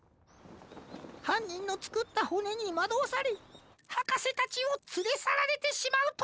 はんにんのつくったホネにまどわされはかせたちをつれさられてしまうとは！